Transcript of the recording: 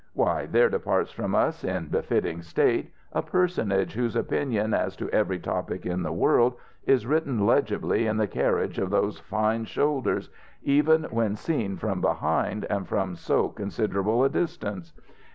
Why, there departs from us, in befitting state, a personage whose opinion as to every topic in the world is written legibly in the carriage of those fine shoulders, even when seen from behind and from so considerable a distance.